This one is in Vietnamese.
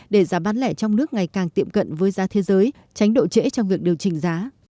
để giá bán lẻ trong nước ngày càng tiệm cận với giá thế giới tránh độ trễ trong việc điều chỉnh giá